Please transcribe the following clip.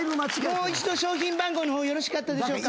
もう一度商品番号の方よろしかったでしょうか。